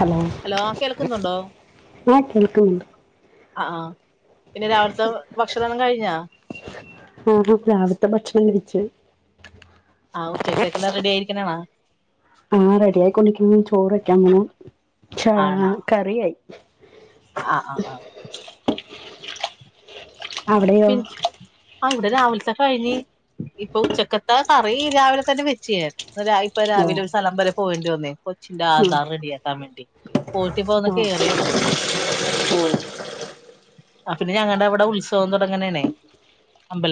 Hala hello കേൾക്കുന്നുണ്ടോ ആ കേൾക്കനൊണ്ട്. ആഹ് ആഹ്. പിന്നെ രാവിലെത്തെ ഭക്ഷണം കഴിഞ്ഞാ? മേടിച്ചു. ആ ഉച്ചത്തേക്കെല്ലാം റെഡി ആയിരിക്കണാണോ ആ റെഡി ആയിക്കൊണ്ടിരിക്കുന്നു ചോറ് വെയ്ക്കാപ്പോണ് കറിയായി. ആഹ് ആഹ് ആഹ്. അവിടെയോ? ഇവടെ രാവിലത്തെ കഴിഞ്ഞ് ഇപ്പോ ഉച്ചക്കത്തെ കറി രാവിലെ തന്നെ വെച്ച് ഞാൻ. ഒരായിപ്പ ഓ രാവിലെ ഒരു സ്ഥലവെരെ പോകേണ്ടി വന്നേ കൊച്ചിന്റെ ഉം. ആധാറ് റെഡിയാക്കാൻ വേണ്ടി പോയിട്ടിപ്പന്ന് ആ കേറിയെ ഉള്ളൂ. ഓ പിന്നെ ഞങ്ങടെ അവടെ ഉത്സവം തൊടങ്ങണനേ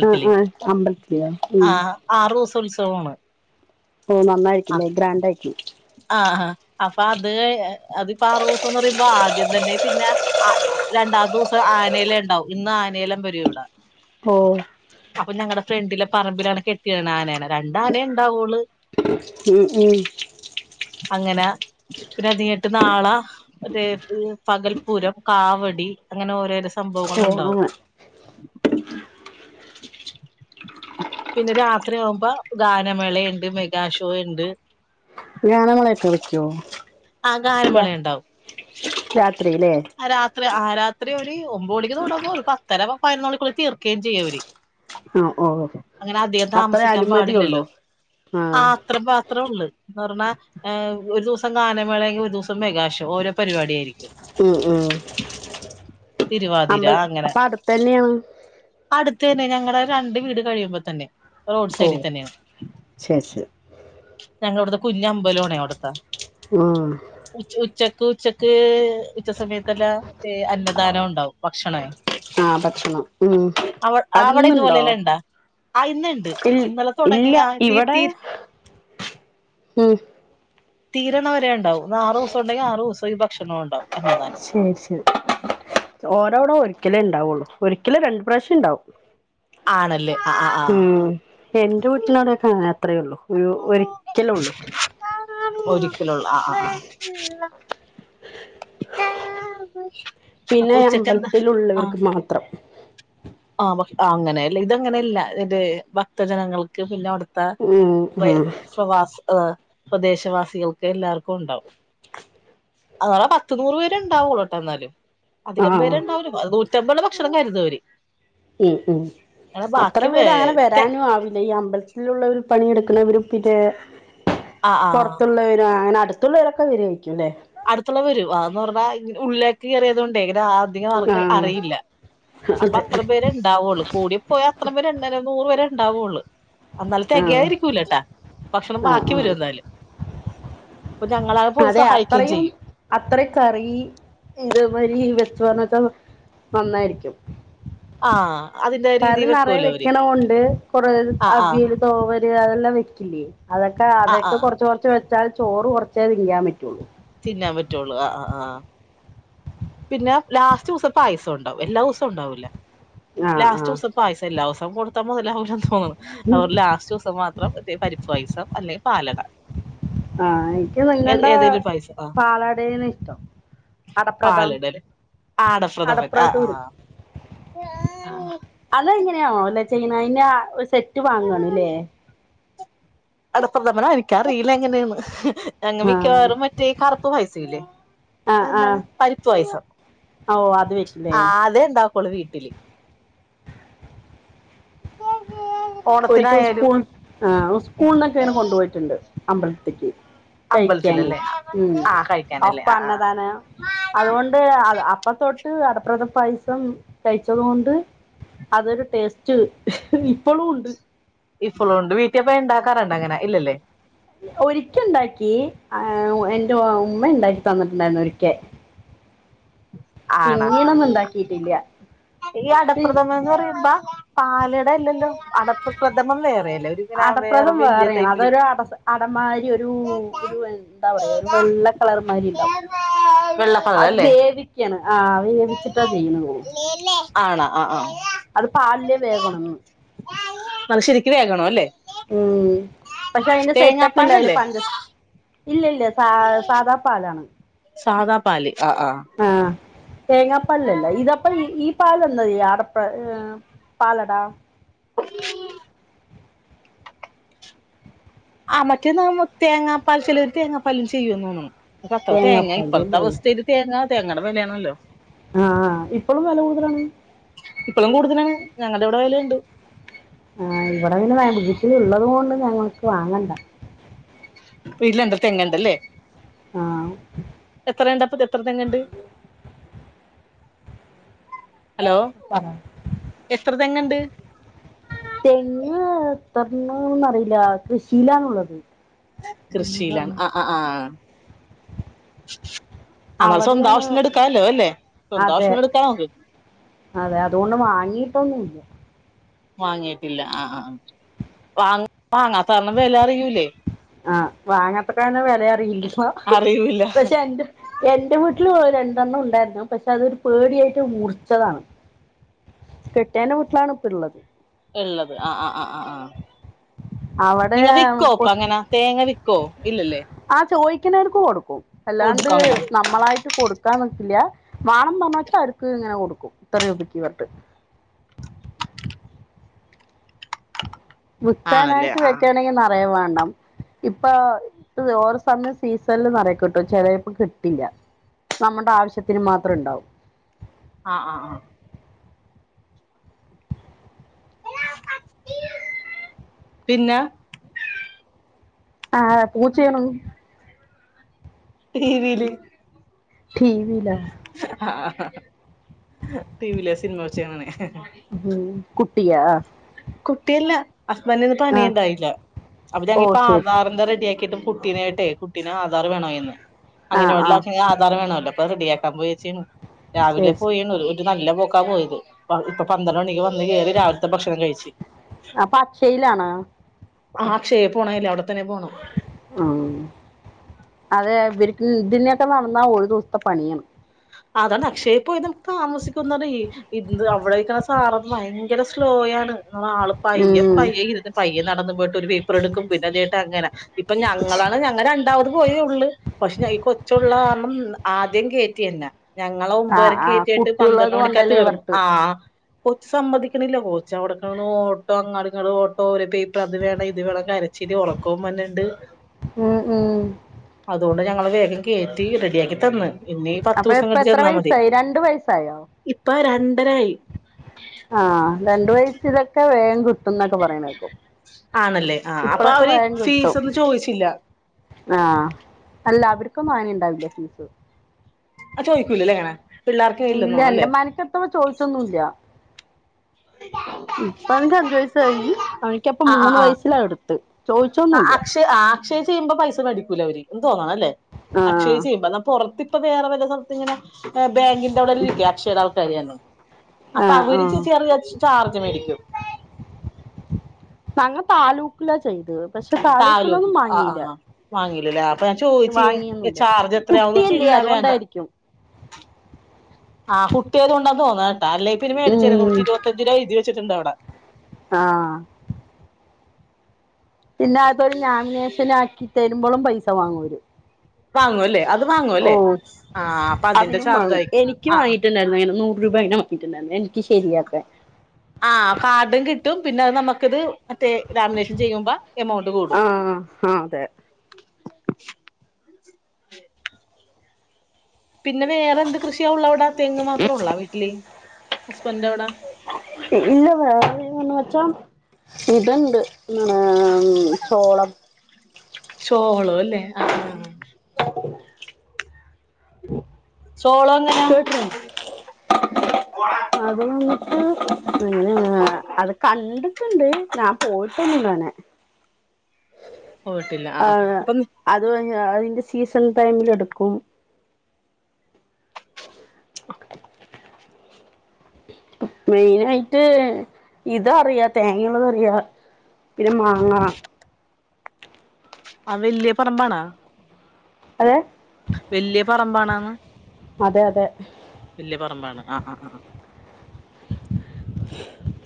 ഉ ഉം അമ്പലത്തില് ഉം ഉത്സവവാണ് ഓ നന്നായിരിക്കിന്നു ഗ്രാൻറ്റക്കി അപ്പാ അത് ക അത്പ്പ ആറു ദിവസോന്ന് പറയുമ്പോ ആദ്യം തന്നെ പിന്നെ ആ രണ്ടാത്തൊസ്വം ഇന്ന് ആനേയിലയിണ്ടാവും ഇന്ന് ആനേലം വരൂ ഇവിടെ ഓ പ്പൊ ഞങ്ങടെ ഫ്രണ്ടിലെ പറമ്പിലാണ് കെട്ടിയിടനെ ആനനെ രണ്ടാനേ ഉണ്ടാവൊള്ളൂ. മൂ മൂ അങ്ങനെ പിന്നെ അതട്ട് നാളെ പകൽപ്പൂരം കാവടി അങ്ങെനെ ഓരേ ഡിസ് സംഭവങ്ൾ ഓ ഉണ്ടാവും അങ്ങനെ പിന്നെ രാത്രി ആകുമ്പോ ഗാനമേള ഉണ്ട് മെഗാഷോ ഉണ്ട് ഗാനങ്ങളെയൊക്കെ വെക്യോ ആ ഗാനമെളയുണ്ടാവും രാത്രി രാത്രി ആരാ രാത്രി ഒര് ഒമ്പത് മണിക്ക് തുടങ്ങും ഒരു പത്തര പതിനൊണി ക്ക് തീർക്കുകയും ചെയും അവര് ആ ഓ അങ്ങനെ അധികം അത്ര താമസിക്കാൻ അനുമതി ഉള്ളൂ ആ അത്ര ഉള്ളു എന്ന് പറഞ്ഞാ ഒരു ദിവസം ഗാനമേളെങ്കിൽ ഒരു ദിവസം മെഗാഷോ ഓരോ പരിപാടി ആയിരിക്കും ആയിരിക്കും ഉം ഉം തിരുവാതിര അമ്പലം അങ്ങനെ അപ്പൊ അടുത്തന്നെയാണോ അടുത്ത് തന്നെ ഞങ്ങളടെ രണ്ട് വീട് കഴിയുമ്പോ തന്നെ റോഡ് ഓ സൈഡിൽ തന്നെയാണ് ചാച്ച് ഞങ്ങ ഇവിടുത്തെ കുഞ്ഞ അമ്പലാണേ അവിടുത്തെ ആ ഉച്ചക് ഉച്ചക്ക് ക്ക് ഉച്ച സമയത്തല്ല അന്നദാന ഉണ്ടാവും ഭക്ഷണം ആ ഭക്ഷണം ഉം അവിടെ അതിന്നുണ്ടോ ഇതുപോലെല്ലാം ഇണ്ടാ ആ ഇന്നുണ്ട് ഇ ഇന്നലെ തുടങ്ങി ഇല്ല ആ തീ ഇവിടെ തീ ഉം തീരണ വരെ ഉണ്ടാവും ആറു ദിവസം ഉണ്ടെങ്കിൽ ആറൂദിവസോം ഈ ഭക്ഷണം ശരി ശരി ഓരോവിടെരി ഒരിക്കലേ ഉണ്ടാവുള്ളൂ ഒരിക്കല് രണ്ട് പ്രവശ്യം ഉണ്ടാവും ആണല്ലേ ആ ആ ഉം എന്റെ വീട്ടിലാനേ കാണ അത്രേ ഉള്ളൂ ഒരു ഒരിക്കലേ ഉള്ളൂ ഒരിക്കലെ ഉള്ള ആ ആ ആ പിന്നെ അമ്പലത്തിൽ ഉള്ളവർക്ക് മാത്രം. ആ അങ്ങനെയല്ലേ ഇത അങ്ങനെയല്ല ഭക്തജനങ്ങൾക്ക് പിന്നെ അവിടെ ഉം ഉം പ്രദേശവാസികൾക്ക് എല്ലാവർക്കും ഉണ്ടാവും അത [unintelligible] പത്തു ന്നൂറ് പേര് ഉണ്ടാവൂള കേട്ടോ എന്നാലും. അധികം ആഹ് പേരുണ്ടാവും അത് ഭക്ഷണം കരുത അവര് [unintelligible] ഉം ഉം അത്ര പേര് അങ്ങനെ വരാനും ആവില്ല ഈ അമ്പലത്തിലുള്ള ഒരു. പണിയെടുക്കണം വിരപ്പിക്ക ആഹ് [unintelligible] ആഹ് പുറത്തുള്ളവര അങ്ങനെ അടുത്തുള്ള ഇളൊക്കെ വരെവിക്കുംല്ലേ അടുത്തുള്ളവ വരും അതന്ന് പറഞ്ഞാ ഉള്ളിലേക്ക് കയറിയതുക കൊണ്ടേ. ധംർക്ക് ആഹ് അറിയില്ല അപ്പൊ അതെ അത്ര പേര്ണ്ടാവുള്ളൂ കൂടി പോയാ അത്ര പേ നൂറ് വരെ ഉണ്ടാവയുള്ളൂ. എന്നാല ആഹ് തികയായിരിക്കൂലട്ടാ ഭക്ഷണം ആ ബാക്കി ആ വരും എന്നാല് ഇപ്പൊ ഞങ്ങളാെ പോയി അതെ സഹായി അത്രയും അത്രയും കറി ഇതവരി ചുവന്നട്ടുള്ളു നന്നായിരിക്കും ആഹ് അതിന്റെ രീതി കാര് നിറയെ വെക്കുവല്ലോ അവര് വെക്കണുണ്ട് കുറ ആഹ് ആഹ് അവിയല് തോവ അതെല്ലാം വെക്കില്ലേ അതൊക്കെ ആഹ് അതൊക്കെ ആഹ് കുറച്ച്റച്ച് വെ കുച്ചൽ ചോറ് കുറച്ചേതിങ്ങാൻ പറ്റുള്ളൂ. പി പറ്റുള്ളൂ ആ ആഹ് പിന്നെ ലാസ്റ്റ് ദിവസം ഇപ്പ പായസം ഉണ്ടാവും എല്ലാ ദിവസവും ഉണ്ടാവല. ആ ആ ലാസ്റ്റവസ്വ പായസം ഇല്ല ത്തം കൊടുത്ത മൊതലാവുല. ഉം. അവരുടെ ലാസ്റ്റ് ദിവസം മാത്രം മറ്റേ പരിപ്പ് പൈസം അല്ലെ പാലക ആഹ എനിക്ക് നിങ്ങളുടെ ആഹ് പാലാടേന ഇഷ്ടംട പാലിടല് ആടപ്രത പ അടപ്രഥൂര് ആഹ് ആഹ്. ചെയ്യാണ ആഹ് വാങ്ങണ് ല്ലേ അടപ്രദമന എനിക്കറിയില്ല എങ്ങനെയാണ്. അങ്ങ് ആ മിക്കവാറും മറ്റേ കറുപ്പ് പായസ ഇല്ലേ ആ എന്താണ് പരിപ്പ് പായസ ആ ഓ അത് വെക്കില്ലേ ആ അതെ ഇണ്ടാക്കോളു വീട്ടില് ഒരിക്കും സ്കൂൾ ഓണത്തിനായാലും ആ സ്കൂളിനൊക്കെ അങ്ങനെ കൊണ്ടുപോയിട്ടുണ്ട് അമ്പൽത്തിക്ക് കഴിക്കാനേ അമ്പലത്തിലല്ലേ ഉ ആ കഴിക്കാനല്ലേ അപ്പ ആ ആ അന്നദാന അതുകൊണ്ട് അപ്പ തൊട്ട് അടപ്രത പായസം കഴിച്ചത കൊൊണ്ട് അതൊരു ടേസ്റ്റ് ഇപ്പോഴും ഉണ്ട് ഇപ്പോൾ ഉണ്ട് വീട്ടിൽപ്പ ഉണ്ടാക്കാറുണ്ട് അങ്ങനെ ഇല്ലല്ലേ ഒരിക്ക ഉണ്ടാക്കി എന്റെ ഉമ്മ ഉണ്ടാക്കി തന്നിട്ടുണ്ടായിരുന്നു ഒരിക്കെ ആണ ഉണ്ടാക്കിയിട്ടില്ല ഈ പി- അടപ്രഥമ എന്ന് പറയുമ്പ പാലട അല്ലല്ലോ അടപ്പ് പ്രഥമം വേറെ അടപ്രദം വലിയ വേറെയാണ് ടൈപ്പില് അതൊരു അട അടമാരി ഒരു ഒരു എന്താ പറയാ ഒരു വെള്ള കളർമാരി ഉണ്ടാവും വെള്ള കളർ അത് അല്ലേ വേവിക്കാണ് ആ വേവി ച്ചിട്ടാ ചെയ്യ ആണ് ആ ആ അത് പാല്ല് വേഗണംന്ന് അത് ശരിക്ക് വേകണോ അല്ലെ ഉം പക്ഷെ അയ്ന്റെ സെറ്റ് ഒക്കെ ഉണ്ട ആയ്ന് തേങ്ങാപ്പാലല്ലേ പണ്ട് ഇല്ല ഇല്ല സാ സാദാ പാലാണ് പാൽ ആ തേങ്ങാപ്പാലല്ലേ ഇതപ്പ ഈ ഈ പാലന്ന ആടപ്പ ഏ പാലടാ ഉ ആ മറ്റേന്ന തേങ്ങാപ്പാൽ ചിലർ തേങ്ങാപ്പാലും ചെയ്യുവന്ന് തോന്നുന്നു അ അത്ര തേങ്ങാ തേങ്ങാപ്പാല് ഇപ്പഴത്തെ അല്ലേ അവസ്ഥയിയില് തേങ്ങാ തേങ്ങടെ വിലയാണല്ലോ ആ ഇപ്പോളും വില കൂടുതലാണ് ഇപ്പളും കൂടുതലാണ് ഞങ്ങളുടെ ഇവിടെ വേലണ്ട് ആ ഇവിടെ നിന്നെ വീട്ടിലള്ളത് കൊണ്ട് ഞങ്ങക്ക് വാങ്ങണ്ട വീട്ടിൽ ണ്ട തേങ്ങ് ണ്ടല്ലേ ആ എത്ര ഇണ്ട് അപ്പ എത്ര തെങ്ങ ഉണ്ട് തെങ്ങ് എത്ര തെങ്ങുണ്ട് [unintelligible] റിയില്ല കൃഷിയിലാണുള്ളത് കൃഷിയിലാണ് ആ ആ ആ എന്നാൽ സ്വന്തം അവിടെയാണ് ആവശ്യത്തിന് എടുക്കാല്ലോ അല്ലേ സ്വന്തം അതെ ആവശ്യത്തിന് എടുക്കാം നമുക്ക് അതെ അതുകൊണ്ട് വാങ്ങിട്ടൊന്നുംല്ല വാങ്ങിട്ടില്ല ആ ആ വാ ആഹ് വാങ്ങത്രക്കനെ വെല അറിയില്ലാ അറിയൂല്ല പഷെ എന്റെ എന്റെ മു ട്ട്ല് ഒരണ്ടെണ്ണം ഉണ്ടായ്ര്ന്നു പക്ഷെ അതൊരു പേട്യായ്ട്ട് മുർച്ചതാണ് കെട്ടേന്റെ വീട്ട് ളാണ് ഇപ്പള്ളത് ഇള്ളത് ആഹ് ആഹ് ആഹ് ആഹ് ആഹ് അവിടെ നിങ്ങ വിക്കോ ഇപ്പങ്ങനാ തേങ്ങ വിക്കോ ഇല്ലല്ലേ ർക്ക് കൊടുക്കും അല്ലാണ്ട് കൊടുക്കോ അങ്ങനെ നമ്മളായിട്ട് കൊടുക്ക ക്കാൻ നിക്കില്ല്യാ വാണം പർഞ്ഞാച്ചാ അവര്ക്ക്ങ്ങനെ കൊട്ക്കും ഇത്രേ രൂപക്ക് പർഞ്ഞ്ട്ട് ആണല്ലേ വിക്കാനായ്ട്ട് ആ വെക്കാണെങ്കി നറേ വാ ഇപ്പ ഓരോ സമയം സീസണില് നിറയ്ക്കോട്ടോ [unintelligible] കിട്ടില്ല ഇപ്പം അമ്മട ആവശ്യത്തിന് മാത്രം ഇണ്ടാവൂ ആഹ് ആഹ് ആഹ് പിന്നെ ആഹ് പൂച്ചയാണ് രീതിയില് ടീവിലാ ടി വിയില് സിനിമ വെച്ചാണേ ഉം കുട്ടിയാ ആഹ് ഹസ്ബൻ്റിന്ന് പണി ഇണ്ടായില്ല അപ്പ ഓ ഞങ്ങക്കീ ശരി ശരി പാതാർൻ്റ റെഡിയാക്കിട്ട് കുട്ടീനായിട്ടെ ട്ടിന് ആധാർ വേണായിരുന്ന് ആ ആ അങ്ങനെയൊള്ള പിന്നെ ആധാറ് വേണല്ലോ ഇപ്പ റെഡിയാക്കാൻ പോയേച്ചന് രാവിലെ ശരി ശരി പോയണു ഒരു നല്ല പോ ക്കാൻ ഇപ്പ പന്ത്രണ്ട് മണിക്ക് വ കയറി രാവിലത്തെ ഭക്ഷണം കഴിച്ചു അപ്പൊ അക്ഷയിലാണ് ആഹ് അക്ഷേ പോണേ ല്ല അവിടെ തന്നെ പോണം ഉം. അതെ ഇവർക്ക് ഇതിനൊക്കെ നടന്നാ ഒരു ദിവസത്തെ പണിയാണ് അതാണ് അക്ഷയ പോയി നമുക്ക് താമസിക്കുന്നത് ഇന്ത് അവിടെര്ക്ക്ണ സാറ് ഭയങ്കര സ്ലോയാണ് ന ആള് പയ്യെ ഉം. പയ്യെ ഇര്ത് പയ്യെ നടന്ന് പോയിട്ട് ഒരു പേപ്പർ എടുക്കും പിന്നെ ചേട്ട് അങ്ങനെ ഇപ്പൊ ഞങ്ങളാണ് ഞങ്ങ രണ്ടാവു പോയ ഉളള് പക്ഷെ ഈ കൊച്ചുള്ള കരണം ആദ്യം കേറ്റിന്നെ ഞങ്ങള് ആ ഒൻമ്പരക്ക് ആ കേറ്റിയിട്ട് പന്ത്രണ്ട് കുട്ടിയുള്ളത് മണിക്കാ കൊണ്ടല്ലേ തീർ ഇവർക്ക് ആഹ് കൊച്ച് സമ്മതി [unintelligible] പോച്ചവിട ഓട്ടോ അങ്ങാടി ഇങ്ങ ഓട്ടോ ഓ പേപ്പർ അത് വേണം ഇത് വേണം കരച്ചിരി ഒറക്കം വര്ന്ണ്ട് ഉം ഉം ഞങ്ങള് വേഗം കേറ്റി റെഡിയാക്കി തന്ന് ഇനി പത്ത് അപ്പോ ദിവസം ഇപ്പ കഴിഞ്ഞിട്ട് എത്ര ചെന്നാ മതി വയസായി രണ്ടു വയസായോ? ഇപ്പൊ രണ്ടരായി ആഹ് രണ്ട് വയസ് ഇതൊക്കെ വേ ട്ടോന്നൊക്കെ പറയണ കേക്കും ആണല്ലേ ആ അപ്പൊ ഇപ്പളോക്കെ അവര് വേം കിട്ടും ഫീസ് ഒന്നും ചോദിച്ചില്ല ആഹ് അല്ല അവര് ക്കെ വാങ്ങിണ്ടാവില്ല ഫീസ്. ആ ചോദിക്കൂലല്ലേ അങ്ങനെ പിള്ളേർക്ക് ഇല്ല ഇല്ലെന്നോ അല്ലേ എന്റെ മനസെത്തുമ്പോ ചോദിച്ചൊന്നുല്ല. ഇപ്പ [unintelligible] അഞ്ചു വയസായി അവനിക്കപ്പ ആ ആ മൂന്ന് ആ വയസിലാ എടുത്ത് ചോദിച്ചൊന്നുമില്ല അക്ഷയെ ചെയ്യുമ്പോ പൈസ മേടിക്കുല്ലേ അവര് തോന്നണംല്ലേ അക്ഷയ ആഹ് ചെയ്യുമ്പ പുറത്ത് ഇപ്പ വേറെ വല്ല സഥറത്ത് ഇങ്ങനെ ആഹ് ബാങ്കിന്റെ അവിടങ്ങനെ ഇരിക്കാ അക്ഷയേടെ ആൾക്കാരന്നെ. അപ്പ ആഹ് അവരിച്ച ആഹ് ചേറ് ചാർജ് മേടിക്കും ഞങ്ങ താലൂക്കിലാ ച് ചെയ്തത് പക്ഷെ താലൂക്കിലൊന്നും വാങ്ങിയില്ല [unintelligible] അപ്പ ഞാൻ ചോദിച്ച് ഏഹ് വാങ്ങിയൊന്നുല്ല ചാർജ് എത്രയാവുന്ന്. പക്ഷെ കുട്ടിയല്ലേ ഇല്ല അത് വേണ്ട അതുകൊണ്ടായിരിക്കും ആ കുട്ടിയായത് കൊണ്ടാ തോന്നു. അത് [unintelligible] മേടിച്ചരും ഉം നൂറ്റി ഇരുപതഞ്ച് രൂപ ഇത് ച്ചിട്ടുണ്ട് അവിടെ ആഹ് പിന്നെ അതൊരു നാമിനേഷൻ ആക്കി തരുമ്പളും ത്തവാങ്ങൂര് വാങ്ങുവല്ലേ? ഓ അതിന്റെ അതിനും ചാർജ് വാങ്ങും ആയിരിക്കും എനിക്കും ആ വാങ്ങീട്ട്ണ്ടായ്ര്ന്നങ്ങനെ നൂറ് രൂപ അങ്ങനെ വാങ്ങീട്ട്ണ്ടായ്ര്ന്നു എനിക്ക് ശെരിയാക്കാൻ ആ കാർഡും കിട്ടും പിന്നെ നമ്ക്കിത് മറ്റേ ലാമിനേഷൻ ചെയ്യുമ്പ എമൗണ്ട് കൂടും ആഹ് ആഹ് അതെ പിന്നെ വേറെന്ത് കൃഷിയാ ഉള്ളവ്ടെ തെങ്ങ് മാത്രാെള്ള വീട്ട്ല്? ഹസ്ബന്റെവ്ടാ? ഇല്ല വേറെ ന്ന് വെച്ചാ ഇത്ണ്ട് ഏം ചോളം ചോളോ അല്ലേ ആ ചോളാെ എങ്ങനാ കേട്ടിട്ടുണ്ട് [unintelligible] മ്മ് അത് കണ്ട് ഇണ്ട്. ഞാൻ പോയിട്ടൊന്നുല്ലങ്ങനെ പോയിട്ടില്ല ആ ആ ആഹ് അപ്പം അത് അതിന്റെ സീസ ഈ ടൈമിലെടുക്കും. [inaudible] മെയിനായിട്ട് ഇതറിയാ തേങ്ങള്ളതറിയാ. പിന്നെ മാങ്ങ അ വല്യ പറമ്പാണാ? അതെ വല്യ പറമ്പാണാന്ന്? അതെ അതെ അ അ അ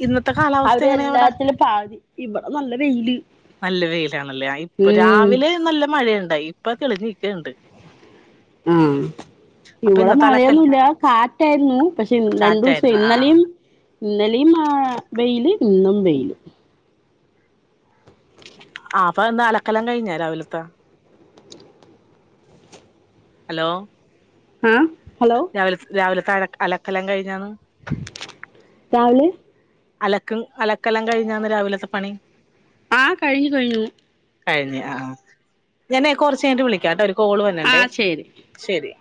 ഇന്നത്തെ കാലാവസ്ഥ അവര് എങ്ങനെയ അ വിടെ എല്ലാത്തിലും പാതി ഇവിടെ നല്ല വെയില് നല്ല വെയിലാണല്ലേ ഇപ്പൊ ഉം രാവിലെ നല്ല മഴയുണ്ട് ഇ ഇപ്പോ കിളിച്ച്ക്കണ്ട് ആ അപ്പൊ ഇവിടെ ഇന്നത്തെ അലക്കല് മഴയൊന്നുമല്ല കാറ്റായിരുന്നു പക്ഷെ രണ്ടു ദിവസം ചാറ്റായിരുന്നു ആ ഇന്നലെ ഇന്നലിം ആ വെയില് ഇന്നും വെയില് ആ അപ്പൊ ഇന്ന് അലക്കല്ലാം കഴിഞ്ഞോ രാവിലത്തെ ഹലോ ആഹ രാവില രാവിലെ [unintelligible] അലക്കെല്ലാം കഴിഞ്ഞാണ് രാവില അലക്കും അലക്കെല്ലാം കഴിഞ്ഞാന്ന് രാവിലത്തെ പണി ആ കഴിഞ്ഞു കഴിഞ്ഞു കഴിഞ്ഞോ ഞാനെ കുറച്ചു കഴിഞ്ഞട്ട് വിളിക്കാട്ടെ ഒരു കോള് ആ വന്നണ്ടേ ശരി ശരി